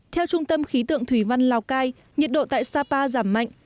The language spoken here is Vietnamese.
theo trung tâm khí tượng thủy văn lào cai nhiệt độ tại sapa giảm mạnh